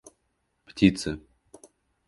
птицы